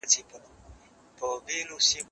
هغه څوک چي لیکل کوي پوهه زياتوي،